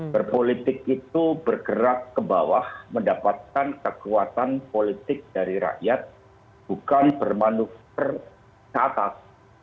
berpolitik itu bergerak ke bawah mendapatkan kekuatan politik dari rakyat bukan bermanuktur ke atas